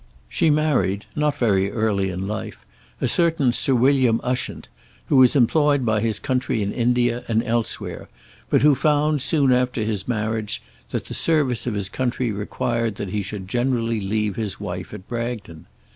She married, not very early in life, a certain Sir William Ushant, who was employed by his country in India and elsewhere, but who found, soon after his marriage, that the service of his country required that he should generally leave his wife at Bragton.